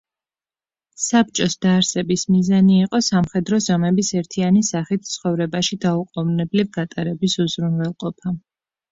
საბჭოს დაარსების მიზანი იყო სამხედრო ზომების ერთიანი სახით ცხოვრებაში დაუყოვნებლივ გატარების უზრუნველყოფა.